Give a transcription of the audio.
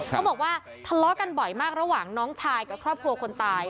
เขาบอกว่าทะเลาะกันบ่อยมากระหว่างน้องชายกับครอบครัวคนตาย